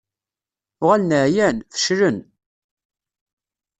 Uɣalen ɛyan, feclen.